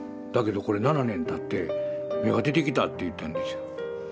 だけどこれ７年たって芽が出てきたって言ったんですよ。